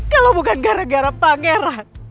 kalau bukan gara gara pangeran